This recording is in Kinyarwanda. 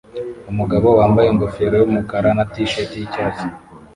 Umugabo wambaye ingofero yumukara na t-shirt yicyatsi